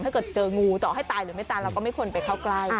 ถ้าเกิดเจองูต่อให้ตายหรือไม่ตายเราก็ไม่ควรไปเข้าใกล้